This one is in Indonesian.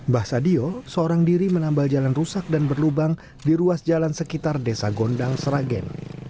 mbah sadio seorang diri menambal jalan rusak dan berlubang di ruas jalan sekitar desa gondang seragen